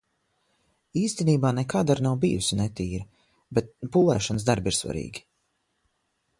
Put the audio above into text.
Īstenībā nekad ar’ nav bijusi netīra, bet pulēšanas darbi ir svarīgi.